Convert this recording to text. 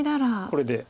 これで。